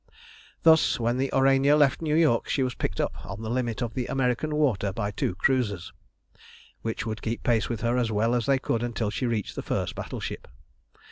Thus, when the Aurania left New York, she was picked up on the limit of the American water by two cruisers, which would keep pace with her as well as they could until she reached the first battleship.